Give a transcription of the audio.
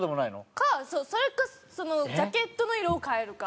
かそれかそのジャケットの色を変えるか。